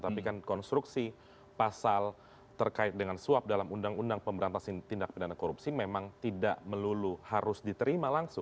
tapi kan konstruksi pasal terkait dengan suap dalam undang undang pemberantasan tindak pidana korupsi memang tidak melulu harus diterima langsung